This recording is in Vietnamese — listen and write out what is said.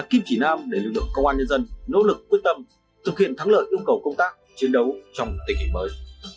đã kiếm chỉ nam để lực lượng công an nhân dân nỗ lực quyết tâm thực hiện thắng lợi ưu cầu công tác chiến đấu trong tình hình mới